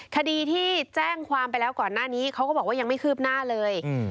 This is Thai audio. คดีที่แจ้งความไปแล้วก่อนหน้านี้เขาก็บอกว่ายังไม่คืบหน้าเลย